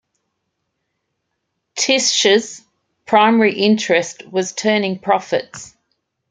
Tisch's primary interest was turning profits.